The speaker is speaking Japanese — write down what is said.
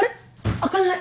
開かない。